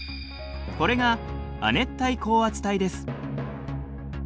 これが亜熱帯高圧帯です。